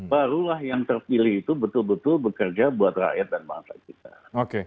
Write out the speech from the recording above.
barulah yang terpilih itu betul betul bekerja buat rakyat dan bangsa kita